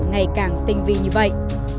ngày càng tinh vi như vậy